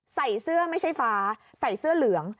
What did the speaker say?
ใส่เสื้อไม่ใช่ฟ้าใส่เสื้อเหลือง